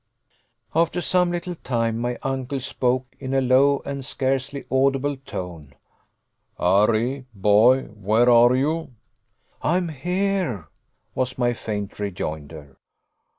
After some little time my uncle spoke, in a low and scarcely audible tone: "Harry, boy, where are you?" "I am here," was my faint rejoinder.